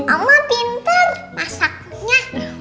oma pinter masaknya